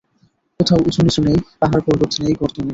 কোথাও উচু-নিচু নেই, পাহাড় পর্বত নেই, গর্ত নেই।